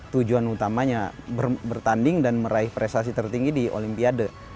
tujuan utamanya bertanding dan meraih prestasi tertinggi di olimpiade